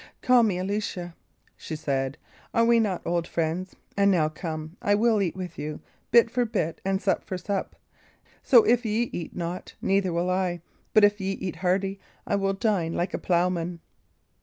"Call me Alicia," she said; "are we not old friends? And now, come, I will eat with you, bit for bit and sup for sup; so if ye eat not, neither will I; but if ye eat hearty, I will dine like a ploughman."